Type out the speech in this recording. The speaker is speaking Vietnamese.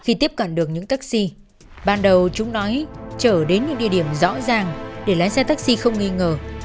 khi tiếp cận được những taxi ban đầu chúng nói chở đến những địa điểm rõ ràng để lái xe taxi không nghi ngờ